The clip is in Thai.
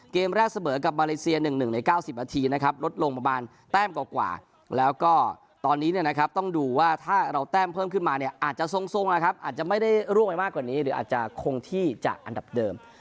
เกมแรกเสมอกับมาเลเซีย๑๑ใน๙๐นาทีนะครับลดลงประมาณแต้มกว่าแล้วก็ตอนนี้เนี่ยนะครับต้องดูว่าถ้าเราแต้มเพิ่มขึ้นมาเนี่ยอาจจะทรงนะครับอาจจะไม่ได้ร่วงไปมากกว่านี้หรืออาจจะคงที่จากอันดับเดิม